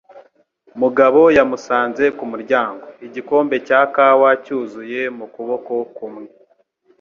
Mugabo yamusanze ku muryango, igikombe cya kawa cyuzuye mu kuboko kumwe.